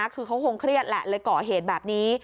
คือเขาคงเครียดแหละเลยก่อเหตุแบบนี้